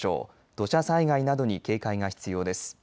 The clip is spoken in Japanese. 土砂災害などに警戒が必要です。